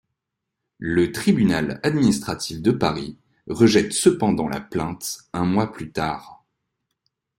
Le tribunal administratif de Paris rejette cependant la plainte un mois plus tard.